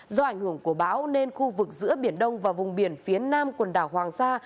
do ảnh hưởng của bão nên khu vực giữa biển đông và vùng biển phía nam quần đảo hoàng sa